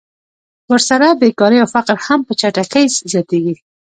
ورسره بېکاري او فقر هم په چټکۍ زیاتېږي